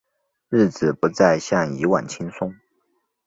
日子不再像以往轻松